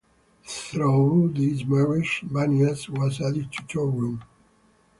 Through this marriage Banias was added to Toron.